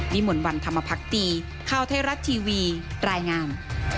มนต์วันธรรมพักตีข้าวไทยรัฐทีวีรายงาน